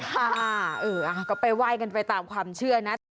ค่ะเออก็ไปไหว้กันไปตามความเชื่อนะ